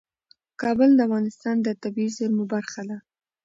کابل د افغانستان د طبیعي زیرمو برخه ده.